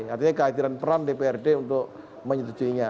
artinya kehadiran peran dprd untuk menyetujuinya